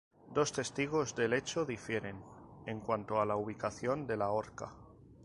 Dos testigos del hecho difieren en cuanto a la ubicación de la horca.